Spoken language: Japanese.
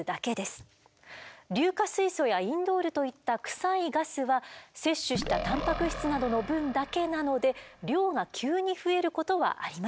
硫化水素やインドールといったクサいガスは摂取したタンパク質などの分だけなので量が急に増えることはありません。